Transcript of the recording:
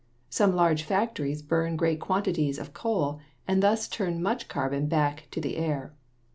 Some large factories burn great quantities of coal and thus turn much carbon back to the air.